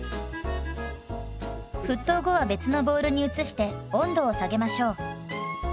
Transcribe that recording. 沸騰後は別のボウルに移して温度を下げましょう。